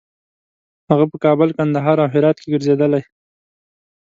هغه په کابل، کندهار او هرات کې ګرځېدلی.